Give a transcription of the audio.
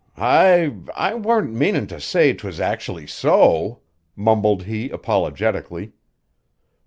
"I I warn't meanin' to say 'twas actually so," mumbled he apologetically.